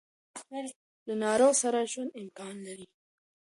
له ناروغ سره ژوند امکان لري.